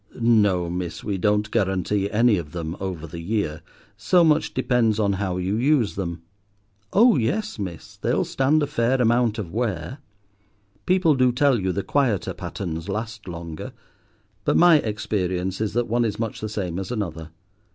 No, miss, we don't guarantee any of them over the year, so much depends on how you use them. Oh yes, miss, they'll stand a fair amount of wear. People do tell you the quieter patterns last longer; but my experience is that one is much the same as another.